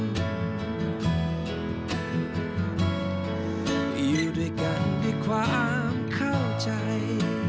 อยู่ด้วยกันด้วยความเข้าใจ